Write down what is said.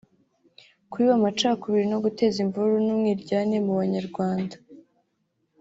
kubiba amacakubiri no guteza imvururu n’ umwiryane mu Banyarwanda